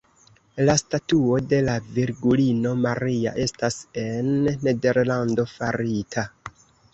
La statuo de la virgulino Maria estas en Nederlando farita.